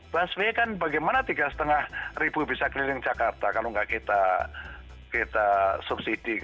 basmi kan bagaimana tiga lima bisa keliling jakarta kalau nggak kita subsidi